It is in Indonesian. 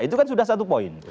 itu kan sudah satu poin